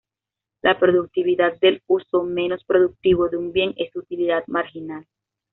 La productividad del uso menos productivo de un bien es su utilidad marginal.